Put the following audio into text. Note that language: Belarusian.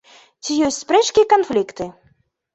Ці ёсць спрэчкі і канфлікты?